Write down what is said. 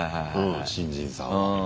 新人さんは。